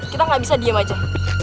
kita nggak bisa diem aja